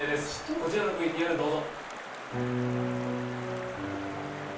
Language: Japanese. こちらのＶＴＲどうぞ。